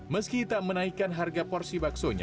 meski tak menaikkan harga porsi baksonya